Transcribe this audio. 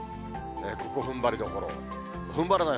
ここふんばりどころ、ふんばらない